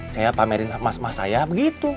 saya pamerin emas emas saya begitu